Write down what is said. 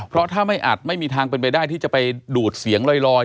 เพราะถ้าไม่อัดไม่มีทางเป็นไปได้ที่จะไปดูดเสียงลอย